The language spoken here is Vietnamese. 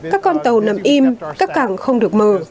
các con tàu nằm im các cảng không được mở